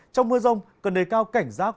trong mưa rông cần đề cao cảnh rác